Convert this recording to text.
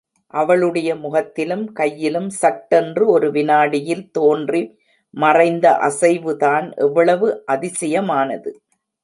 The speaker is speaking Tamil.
அவளுடைய முகத்திலும், கையிலும் சட்டென்று ஒரு விநாடியில் தோன்றி மறைந்த அசைவுதான் எவ்வளவு அதிசயமானது!